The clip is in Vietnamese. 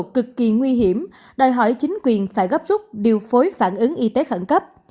cực kỳ nguy hiểm đòi hỏi chính quyền phải gấp rút điều phối phản ứng y tế khẩn cấp